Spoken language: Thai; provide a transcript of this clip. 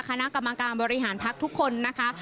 คณะกรรมการบริหารพักทุกคนนะคะ